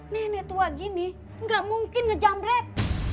nenek tua gini gak mungkin nge jamret